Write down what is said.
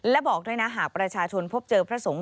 และบอกด้วยนะหากประชาชนพบเจอพระสงฆ์